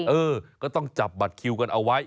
เออก็ต้องจับบัตรคิวกันเอาไว้